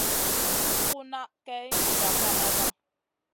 Ku nʼa Kay diga kamada.